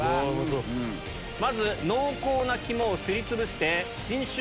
まず濃厚な肝をすりつぶして。